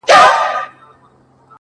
ستا شاعرۍ ته سلامي كومه؛